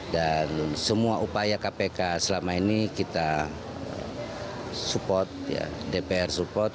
dan semua upaya kpk selama ini kita support dpr support